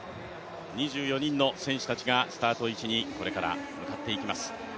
２４人の選手たちがスタート位置にこれから向かっていきます。